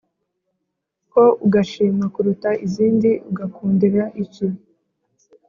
Ko ugashima kuruta izindi ugakundira iki